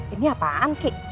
ini apaan ki